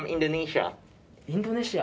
インドネシア。